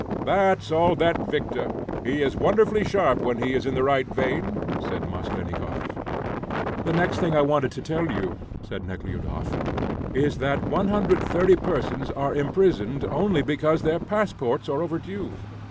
"That's all that Victor. He is wonderfully sharp when he is in the right vein," said Maslennikoff. "The next thing I wanted to tell you," said Nekhludoff, "is that 130 persons are imprisoned only because their passports are overdue.